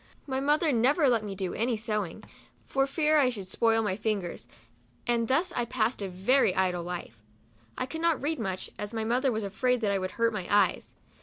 My mother never let me do any sewing, for fear I should spoil my fingers, and thus I passed a very idle life. I could not read much, as my mother was afraid that I would hurt my eyes.